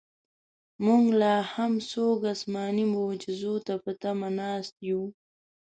موږ لاهم څوک اسماني معجزو ته په تمه ناست یو.